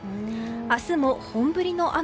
明日も本降りの雨。